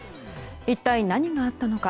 一体何があったのか。